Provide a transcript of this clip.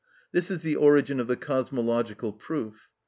This is the origin of the cosmological proof.